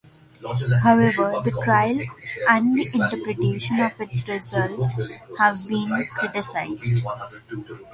However, the trial and the interpretation of its results have been criticised.